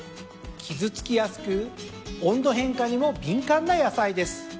傷つきやすく温度変化にも敏感な野菜です。